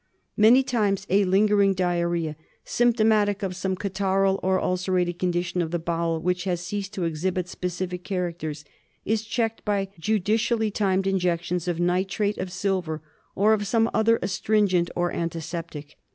Many times a lingering diarrhoea, symptomatic of some catarrhal or ulcerated condition of the bowel which has ceased to exhibit specific characters, is checked by judicially timed injections of nitrate of silver or of some other astringent or antiseptic.